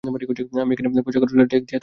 আমি এখানে পয়সা খরচ করে, ট্যাক্স দিয়ে থাকি!